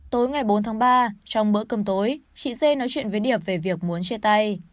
tối ngày bốn tháng ba trong bữa cơm tối chị dê nói chuyện với điệp về việc muốn chia tay